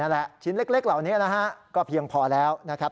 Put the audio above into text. แหละชิ้นเล็กเหล่านี้นะฮะก็เพียงพอแล้วนะครับ